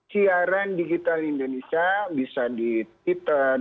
siaran digital indonesia bisa di twitter